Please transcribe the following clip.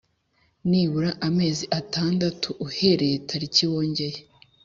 nibura amezi atandatu uhereye itariki wongeye